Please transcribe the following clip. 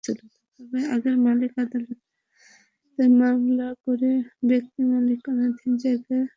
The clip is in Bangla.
তবে আগের মালিক আদালতে মামলা করে ব্যক্তিমালিকানাধীন জায়গা হিসেবে রায় পান।